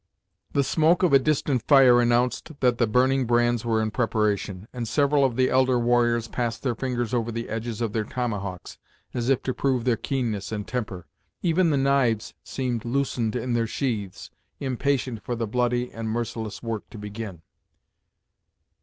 The smoke of a distant fire announced that the burning brands were in preparation, and several of the elder warriors passed their fingers over the edges of their tomahawks, as if to prove their keenness and temper. Even the knives seemed loosened in their sheathes, impatient for the bloody and merciless work to begin.